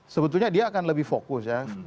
sebetulnya dia akan lebih fokus ya